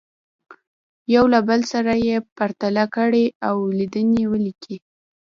یو له بل سره یې پرتله کړئ او لیدنې ولیکئ.